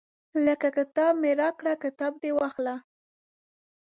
لکه کتاب مې راکړه کتاب دې واخله.